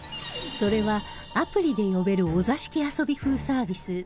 それはアプリで呼べるお座敷遊び風サービス